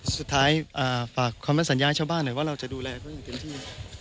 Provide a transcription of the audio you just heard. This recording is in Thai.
สุดท้ายฝากคำให้สัญญาชาวบ้านหน่อยว่าเราจะดูแลเขาอย่างเต็มที่